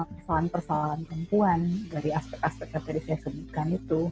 persoalan persoalan perempuan dari aspek aspek yang tadi saya sebutkan itu